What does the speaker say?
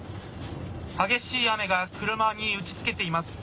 激しい雨が車に打ちつけています。